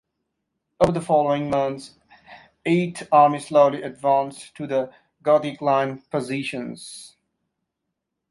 Over the following months Eighth Army slowly advanced to the Gothic Line positions.